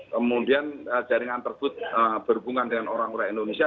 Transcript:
kemudian jaringan tersebut berhubungan dengan orang orang indonesia